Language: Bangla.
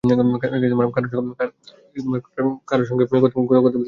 তাঁরা যেখানে–সেখানে ধূমপান করলে, তাঁদের দেখাদেখি সাধারণ মানুষের মধ্যেও মাদকের প্রসার ঘটে।